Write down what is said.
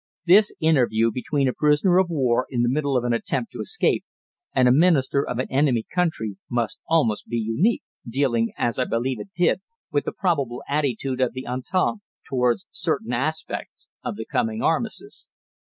This interview between a prisoner of war in the middle of an attempt to escape and a Minister of an enemy country must be almost unique, dealing, as I believe it did, with the probable attitude of the Entente towards certain aspects of the coming armistice.